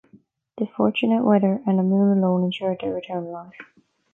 The fortunate weather and a moon alone ensured their return alive.